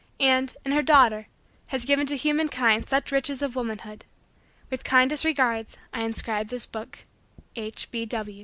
And, in her daughter, has given to human kind such riches of womanhood. With kindest regards, I inscribe this book. H.